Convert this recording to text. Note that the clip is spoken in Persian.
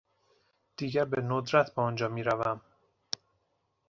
دیگر به ندرت به آنجا میروم.